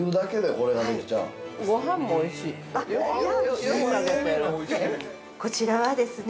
これもおいしいですね。